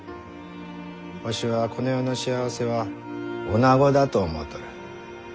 わしはこの世の幸せはおなごだと思うとる。